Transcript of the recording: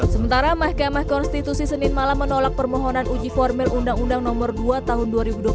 sementara mahkamah konstitusi senin malam menolak permohonan uji formil undang undang nomor dua tahun dua ribu dua puluh